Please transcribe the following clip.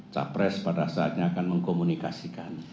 capres pada saatnya akan mengkomunikasikan